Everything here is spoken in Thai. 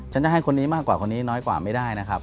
จะให้คนนี้มากกว่าคนนี้น้อยกว่าไม่ได้นะครับ